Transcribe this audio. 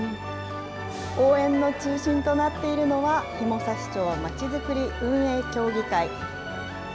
応援の中心となっているのは、紐差町まちづくり運営協議会。